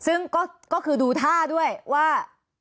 ซึ่งก็คือดูท่าด้วยว่า